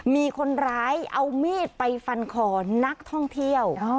มีคนร้ายเอามีดไปฟันคอนักท่องเที่ยว